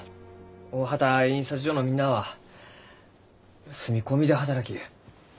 大畑印刷所のみんなは住み込みで働きゆう。